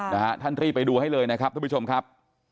นะฮะท่านรีบไปดูให้เลยนะครับทุกผู้ชมครับ